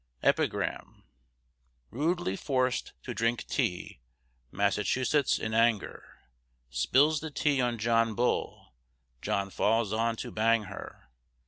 EPIGRAM Rudely forced to drink tea, Massachusetts, in anger, Spills the tea on John Bull. John falls on to bang her.